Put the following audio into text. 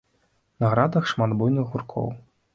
На градах шмат буйных гуркоў.